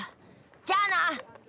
じゃあな！